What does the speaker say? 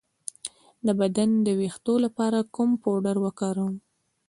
د بدن د ویښتو لپاره کوم پوډر وکاروم؟